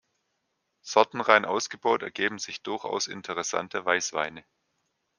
Sortenrein ausgebaut ergeben sich durchaus interessante Weißweine.